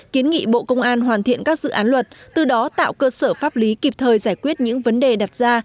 kiến nghị bộ công an hoàn thiện các dự án luật từ đó tạo cơ sở pháp lý kịp thời giải quyết những vấn đề đặt ra